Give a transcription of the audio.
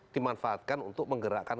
dimanfaatkan untuk menggerakkan